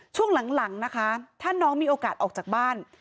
ช่วงหลังนะคะถ้าน้องมีโอกาสออกจากบ้าน